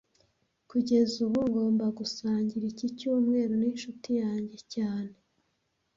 Kugeza ubu, ngomba gusangira iki cyumba ninshuti yanjye cyane